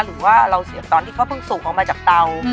หรือว่าเราเสี่ยงตอนที่เขาเพิ่งสูงออกมาจากเตา